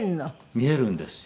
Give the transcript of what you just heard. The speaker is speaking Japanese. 見えるんですよ。